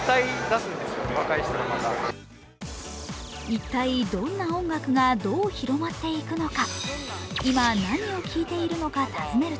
一体どんな音楽が、どう広まっていくのか。